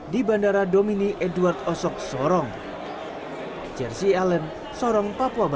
di bandara domini edward osok sorong